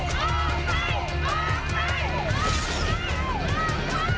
ชูเวทตีแสดหน้า